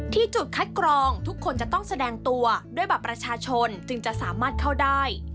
จุดคัดกรองทุกคนจะต้องแสดงตัวด้วยบัตรประชาชนจึงจะสามารถเข้าได้